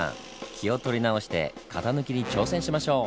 気を取り直して型抜きに挑戦しましょう！